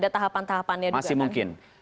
tahapan tahapannya juga kan